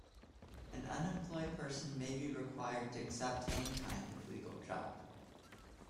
An unemployed person may be required to accept any kind of legal job.